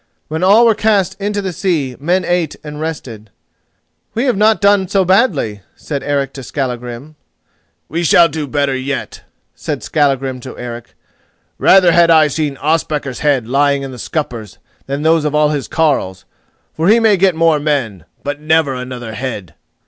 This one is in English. When all were cast into the sea, men ate and rested. "We have not done so badly," said Eric to Skallagrim. "We shall do better yet," said Skallagrim to Eric; "rather had I seen Ospakar's head lying in the scuppers than those of all his carles; for he may get more men, but never another head!"